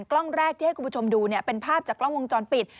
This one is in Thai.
กล้องแรกที่ให้คุณผู้ชมดูเป็นภาพจากกล้องวงจรปิด